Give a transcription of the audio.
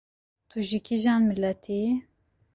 Tu ji kîjan miletî yî?